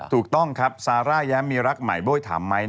ถูกต้องครับซาร่าแย้มมีรักใหม่โบ้ยถามไหม